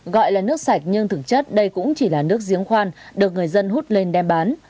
gọi là nước sạch nhưng thực chất đây cũng chỉ là nước giếng khoan được người dân hút lên đem bán